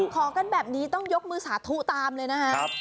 ขอกันแบบนี้ต้องยกมือสาธุตามเลยนะครับ